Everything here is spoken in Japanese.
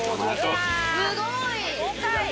すごい！